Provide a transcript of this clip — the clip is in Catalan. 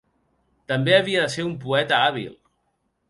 També havia de ser un poeta hàbil.